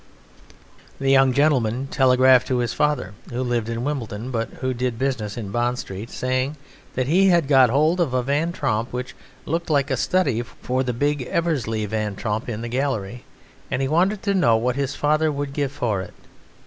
The young gentleman telegraphed to his father (who lived in Wimbledon but who did business in Bond Street) saying that he had got hold of a Van Tromp which looked like a study for the big "Eversley" Van Tromp in the Gallery, and he wanted to know what his father would give for it.